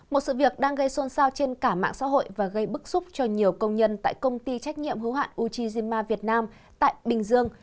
một sự việc đang gây xôn xao trên cả mạng xã hội và gây bức xúc cho nhiều công nhân tại công ty trách nhiệm hữu hạn uchima việt nam tại bình dương